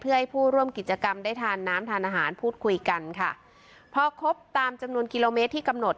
เพื่อให้ผู้ร่วมกิจกรรมได้ทานน้ำทานอาหารพูดคุยกันค่ะพอครบตามจำนวนกิโลเมตรที่กำหนด